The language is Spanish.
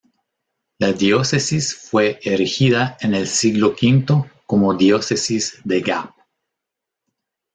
La diócesis fue erigida en el siglo V como "Diócesis de Gap".